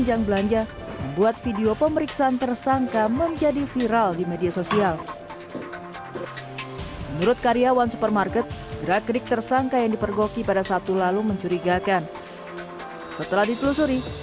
setelah ditelusuri ternyata benar